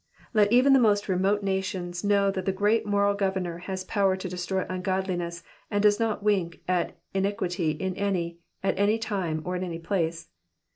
Let even the most remote nations know that the great moral Goveinor has power to destroy ungodliness, and does not wink at iniquity iu any, at any time, or in any place.